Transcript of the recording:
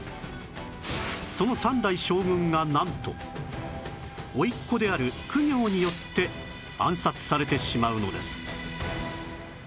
その三代将軍がなんと甥っ子である公暁によって暗殺されてしまうのです